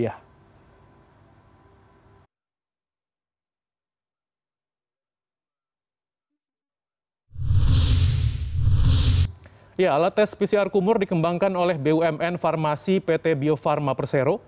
alat tes pcr kumur dikembangkan oleh bumn farmasi pt bio farma persero